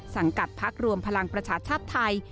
สังกัดพักรวมพลังประชาชาติไทย